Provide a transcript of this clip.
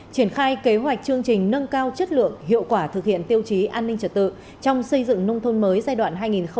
triển khai kế hoạch chương trình nâng cao chất lượng hiệu quả thực hiện tiêu chí an ninh trật tự trong xây dựng nông thôn mới giai đoạn hai nghìn hai mươi một hai nghìn hai mươi